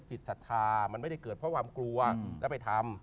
ศรัทธามันไม่ได้เกิดเพราะความกลัวแล้วไปทำ